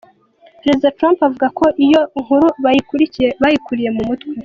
Prezida Trump avuga ko iyo nkuru bayikuriye mu mutwe.